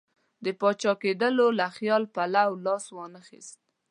د پاچا کېدلو له خیال پلو لاس وانه خیست.